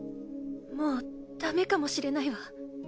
もうダメかもしれないわ。